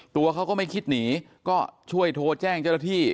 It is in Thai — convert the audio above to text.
ตัวเขาก็ไม่คิดหนีก็ช่วยโทรแจ้งเจ้าหน้าที่